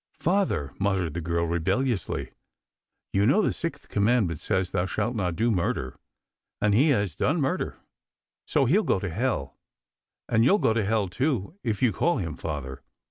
" Father," muttered the girl rebelliously. " You know the sixth commandment says ' Thou shalt do no murder,' and he has done murder ; so he'll go to hell. And you'll go to hell too if you call him father.